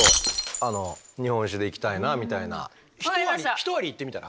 ひとアリいってみたら？